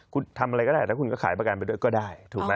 คุณทำอะไรก็ได้แล้วคุณก็ขายประกันไปด้วยก็ได้ถูกไหม